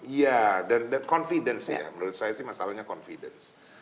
iya dan confidence nya ya menurut saya sih masalahnya confidence